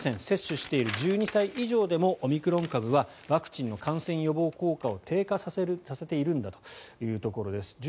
接種している１２歳以上でもオミクロン株はワクチンの感染予防効果を低下させているんだというところです。